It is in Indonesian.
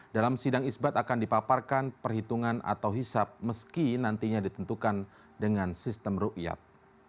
dalam sidang isbat akan dipaparkan perhitungan atau hisap meski nantinya ditentukan dengan sistem ru'yat